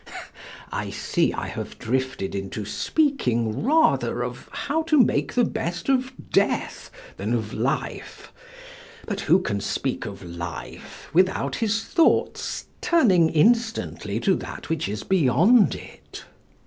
I see I have drifted into speaking rather of how to make the best of death than of life, but who can speak of life without his thoughts turning instantly to that which is beyond it?